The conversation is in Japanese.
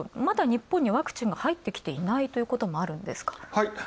まだ日本にワクチンが入ってきていないということもあるんですか？